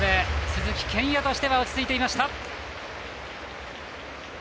鈴木健矢は落ち着いていました。